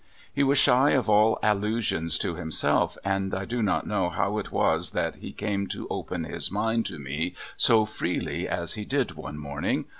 He was shy of all allusions to himself, and I do not know how it was that he came to open his mind to me so freely as he did one morning.